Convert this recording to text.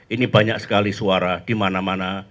ini banyak sekali suara di mana mana